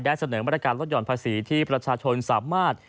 เสนอมาตรการลดห่อนภาษีที่ประชาชนสามารถ